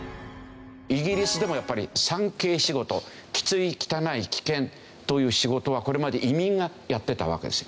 イギリスでもやっぱり３Ｋ仕事きつい汚い危険という仕事はこれまで移民がやってたわけですよ。